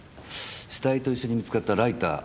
死体と一緒に見つかったライター